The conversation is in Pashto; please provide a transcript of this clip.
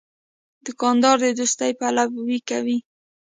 دوکاندار د دوستۍ پلوي کوي.